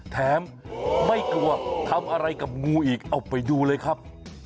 ไม่กลัวทำอะไรกับงูอีกเอาไปดูเลยครับ